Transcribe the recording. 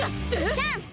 チャンス！